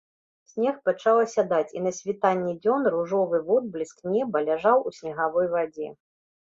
Снег пачаў асядаць, і на світанні дзён ружовы водбліск неба ляжаў у снегавой вадзе.